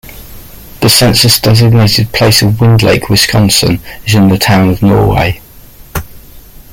The census-designated place of Wind Lake, Wisconsin is in the town of Norway.